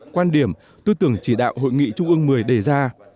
quan điểm tư tưởng chỉ đạo hội nghị trung ương một mươi đề ra